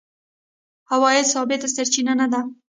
عوایده ثابت سرچینه نه دي.